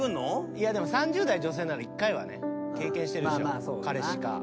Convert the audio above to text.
いやでも３０代女性なら１回はね経験してるでしょ彼氏か。